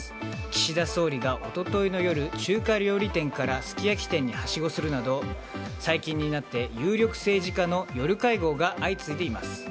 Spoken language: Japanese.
岸田総理が一昨日の夜中華料理店からすき焼き店にはしごするなど最近になって有力政治家の夜会合が相次いでいます。